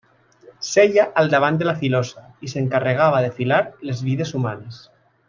Seia al davant de la filosa i s'encarregava de filar les vides humanes.